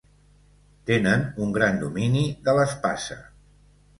Tenen un gran domini de l'espasa.